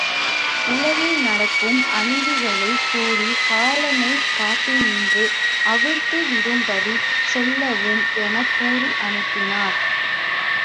உலகில் நடக்கும் அநீதிகளைக் கூறிக் காலனைக் கட்டினின்றும் அவிழ்த்து விடும்படிச் சொல்லவும் எனக் கூறி அனுப்பினர்.